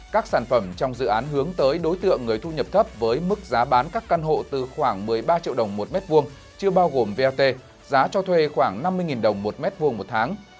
các sản phẩm trong dự án hướng tới đối tượng người thu nhập thấp với mức giá bán các căn hộ từ khoảng một mươi ba triệu đồng một mét vuông chưa bao gồm vat giá cho thuê khoảng năm mươi đồng một mét vuông một tháng